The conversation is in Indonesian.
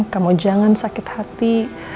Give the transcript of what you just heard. kamu jangan sakit hati